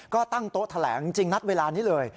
ก็ตั้งโต๊ะแถลงจริงนัดเวลานี้เลย